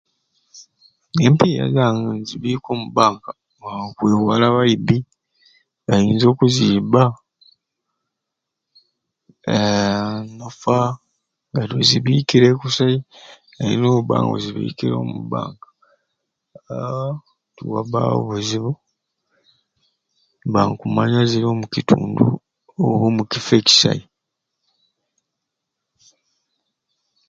Empiya zange nzibika omu banka nga nkwewala abaibi bayinza okuzibba aahhh okuffa nga tozibikiire kusai era oba nga ozibikire omu bank tiwabawo buzibu mba nkumanya ziri omukitundu oba omukiffo ekisai.